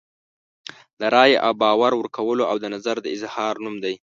د رایې او باور ورکولو او د نظر د اظهار نوم دی.